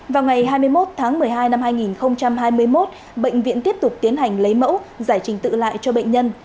vào ngày hai mươi một tháng một mươi hai năm hai nghìn hai mươi một bệnh viện tiếp tục tiến hành lấy mẫu giải trình tự lại cho bệnh nhân